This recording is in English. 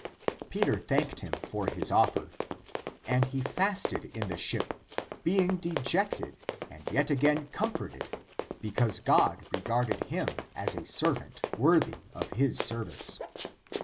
Peter thanked him for his offer. And he fasted in the ship, being dejected and yet again comforted, because God regarded him as a servant worthy of his service.